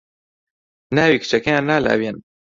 ناوی کچەکەیان نا لاوێن